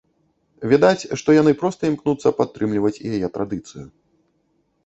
Відаць, што яны проста імкнуцца падтрымліваць яе традыцыю.